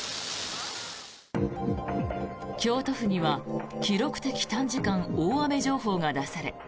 京都府には記録的短時間大雨情報が出され